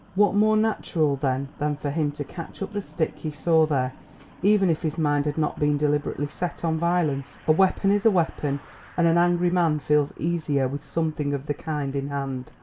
What more natural, then, than for him to catch up the stick he saw there, even if his mind had not been deliberately set on violence. A weapon is a weapon; and an angry man feels easier with something of the kind in hand.